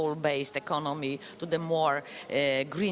dari ekonomi yang berbasis dari perusahaan